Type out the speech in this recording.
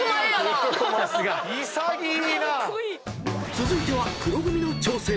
［続いては黒組の挑戦］